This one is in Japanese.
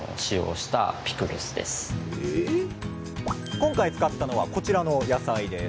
今回使ったのはこちらの野菜です。